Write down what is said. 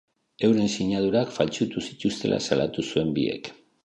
Euren sinadurak faltsutu zituztela salatu zuen biek.